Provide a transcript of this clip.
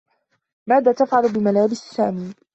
ماذا تفعل بملابس سامي؟